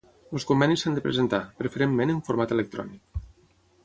Els convenis s'han de presentar, preferentment en format electrònic.